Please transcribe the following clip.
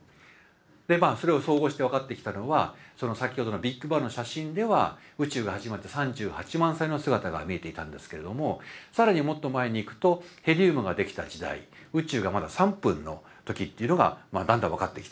それを総合して分かってきたのは先ほどのビッグバンの写真では宇宙が始まって３８万歳の姿が見えていたんですけれども更にもっと前にいくとヘリウムができた時代宇宙がまだ３分の時っていうのがだんだん分かってきた。